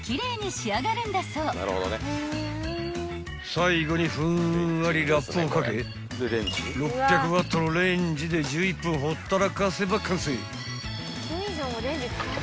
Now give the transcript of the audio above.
［最後にふんわりラップをかけ６００Ｗのレンジで１１分ほったらかせば完成］